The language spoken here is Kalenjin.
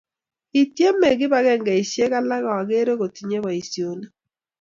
kityeme kibagengeishiek alak akeker ngotinye boisionik